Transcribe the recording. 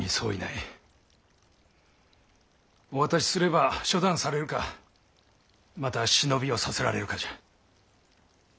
お渡しすれば処断されるかまた忍びをさせられるかじゃ。